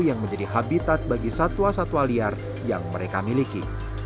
yang menjadi habitat bagi satwa satwa liar yang mereka miliki